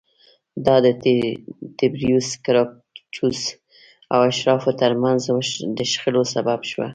دا د تبریوس ګراکچوس او اشرافو ترمنځ د شخړې سبب شوه